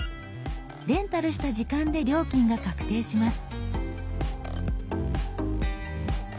レンタルした時間で料金が確定します。